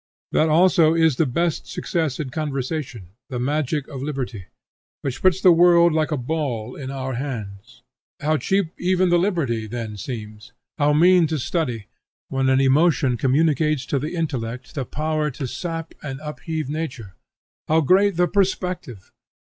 That also is the best success in conversation, the magic of liberty, which puts the world like a ball in our hands. How cheap even the liberty then seems; how mean to study, when an emotion communicates to the intellect the power to sap and upheave nature; how great the perspective!